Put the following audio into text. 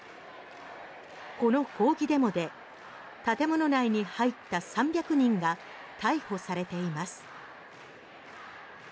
この抗議デモで建物内に入った３００人が逮捕されています。